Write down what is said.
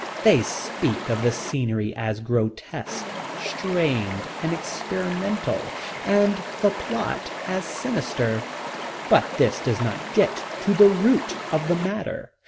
They speak of the scenery as grotesque, strained, and experimental, and the plot as sinister. But this does not get to the root of the matter.